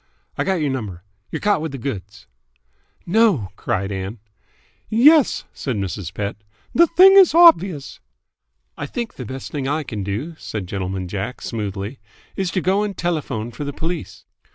"I got y'r number. Y're caught with th' goods." "No!" cried Ann. "Yes!" said Mrs. Pett. "The thing is obvious." "I think the best thing I can do," said Gentleman Jack smoothly, "is to go and telephone for the police."